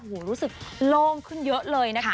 โอ้โหรู้สึกโล่งขึ้นเยอะเลยนะคะ